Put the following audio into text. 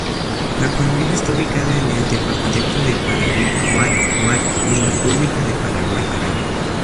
La Colmena está ubicada en el departamento de Paraguarí en la República del Paraguay.